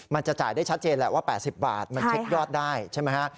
มันจะจ่ายได้ชัดเจนแหละว่า๘๐บาทมันเช็คยอดได้ใช่ไหมฮะ